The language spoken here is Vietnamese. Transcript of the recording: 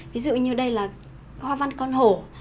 ví dụ như đây là hòa văn con hổ